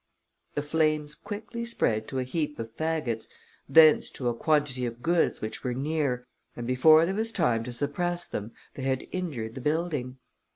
The flames quickly spread to a heap of faggots, thence to a quantity of goods which were near, and before there was time to suppress them, they had injured the building.